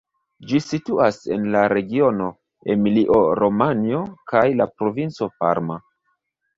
Ĝi situas en la regiono Emilio-Romanjo kaj la provinco Parma.